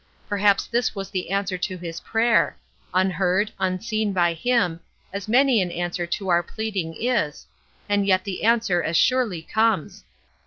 Perhaps this was the answer to his prayer unheard, unseen by him, as many an answer to our pleading is, and yet the answer as surely comes.